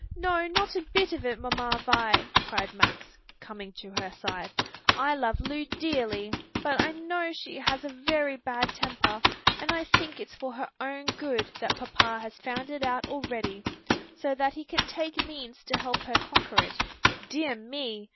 "No, not a bit of it, Mamma Vi," cried Max, coming to her side. "I love Lu dearly, but I know she has a very bad temper, and I think it's for her own good that papa has found it out already, so that he can take means to help her conquer it. Dear me!